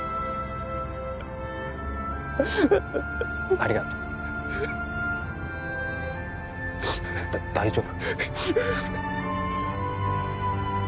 ありがとうだ大丈夫？